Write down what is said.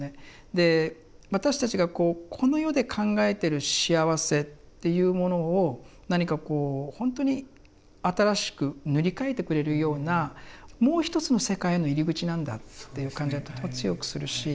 で私たちがこうこの世で考えてる幸せっていうものを何かこうほんとに新しく塗り替えてくれるようなもう一つの世界の入り口なんだっていう感じはとても強くするし。